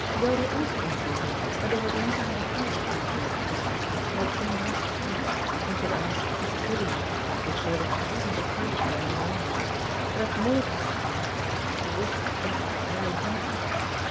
Dodo also informed him that they were going to have a house party that Christmas and that he must come, and she had asked Mrs. Vivian, to show that she wasn't afraid of her any longer, and that Maud was coming, and she wished Jack would marry her.